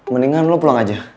mendingan lo pulang aja